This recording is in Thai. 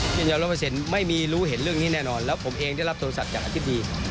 เย็นยาว๑๐๐ไม่มีรู้เห็นเรื่องนี้แน่นอนแล้วผมเองได้รับโทรศัพท์จากอธิบดี